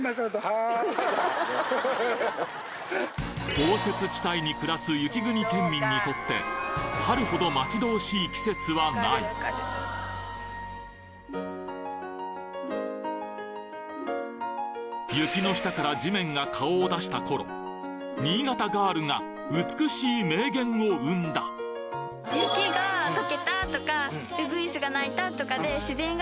豪雪地帯に暮らす雪国県民にとって春ほど待ち遠しい季節はない雪の下から地面が顔を出した頃新潟ガールが美しい名言を生んだなくそうと。